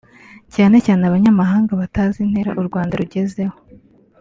cyane cyane abanyamahanga batazi intera u Rwanda rugezeho